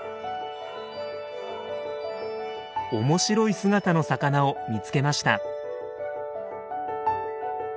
面白い姿の魚を見つけました。